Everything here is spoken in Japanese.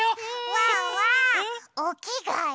ワンワンおきがえ？